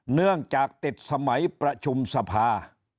เนื่องจากติดสมัยประชุมสภา